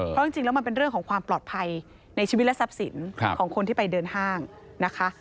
เพราะจริงแล้วมันเป็นเรื่องของความปลอดภัยในชีวิตและทรัพย์สินของคนที่ไปเดินห้างนะคะ